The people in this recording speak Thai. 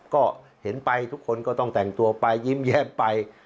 ก็เห็นไปทุกคนก็ต้องแต่งตัวไปยิ้มแย้มไป